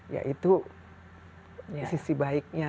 ya itu sisi baiknya